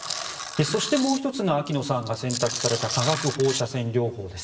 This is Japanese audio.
そしてもう１つが秋野さんが選択された化学放射線療法です。